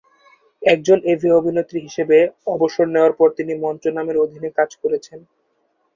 একজন এভি অভিনেত্রী হিসেবে অবসর নেওয়ার পর, তিনি মঞ্চ নামের অধীনে কাজ করেছেন।